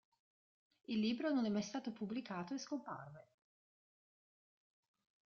Il libro non è mai stato pubblicato e scomparve.